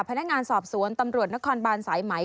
พนักงานสอบสวนตำรวจนครบานสายไหม